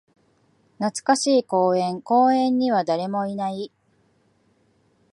懐かしい公園。公園には誰もいない。